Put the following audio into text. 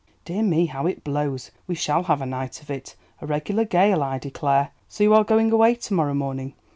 Dear me, how it blows; we shall have a night of it, a regular gale, I declare. So you are going away to morrow morning.